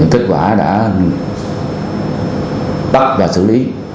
kết quả đã bắt và xử lý